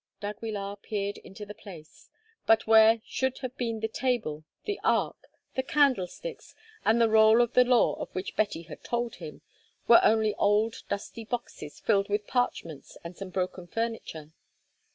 d'Aguilar peered into the place; but where should have been the table, the ark, the candlesticks, and the roll of the law of which Betty had told him, were only old dusty boxes filled with parchments and some broken furniture.